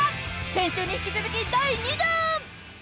［先週に引き続き第２弾］